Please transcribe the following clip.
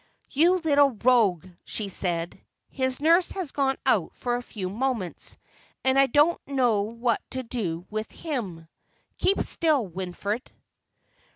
"You little rogue," she said. "His nurse has gone out for a few moments, and I don't know what to do with him. Keep still, Wilfred."